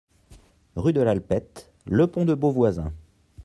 Rue de l'Alpette, Le Pont-de-Beauvoisin